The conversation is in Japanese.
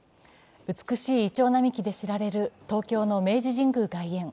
美しいいちょう並木で知られる東京の明治神宮外苑。